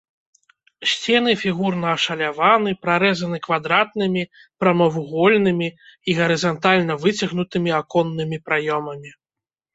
Сцены фігурна ашаляваны, прарэзаны квадратнымі, прамавугольнымі і гарызантальна выцягнутымі аконнымі праёмамі.